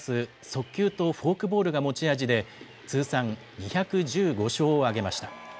速球とフォークボールが持ち味で、通算２１５勝を挙げました。